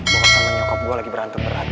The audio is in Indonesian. bokas sama nyokap gue lagi berantem berantem